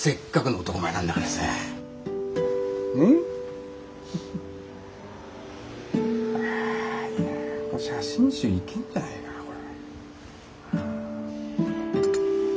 これ写真集いけんじゃないかなこれ。